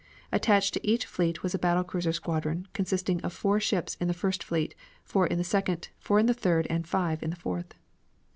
Attached to each fleet was a battle cruiser squadron, consisting of four ships in the first fleet, four in the second, four in the third and five in the fourth.